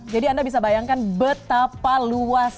jadi anda bisa bayangkan betapa luas